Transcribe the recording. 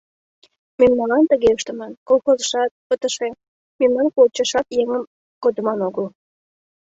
Мемналан тыге ыштыман: колхозшат пытыже, мемнам кучашат еҥым кодыман огыл.